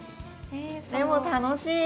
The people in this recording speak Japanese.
でも楽しい。